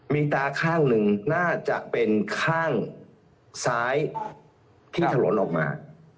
มีตาข้างหนึ่งน่าจะเป็นข้างซ้ายที่ถลนออกมา